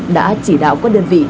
đã chỉ đạo các đơn vị